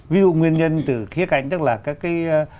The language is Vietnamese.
ví dụ nguyên nhân từ khía cạnh tức là các cái